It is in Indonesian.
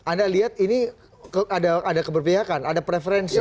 anda lihat ini ada keberpihakan ada preferensi